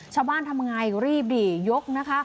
ชาวบ้านทำอย่างไรก็รีบดียกนะคะ